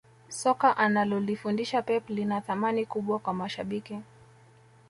soka analolifundisha pep lina thamani kubwa kwa mashabiki